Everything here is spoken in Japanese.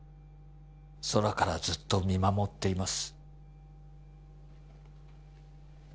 「空からずっと見守っています」